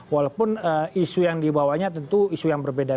walaupun isu yang dibawanya tentu isu yang berbeda beda gitu ya